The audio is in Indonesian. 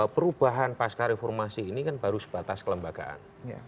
perubahan pasca reformasi ini kan baru sebatas kelembagaan